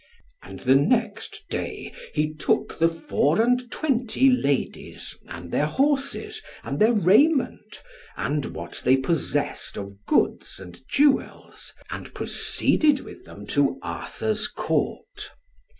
And the next day he took the four and twenty ladies, and their horses, and their raiment, and what they possessed of goods, and jewels, and proceeded with them to Arthur's Court.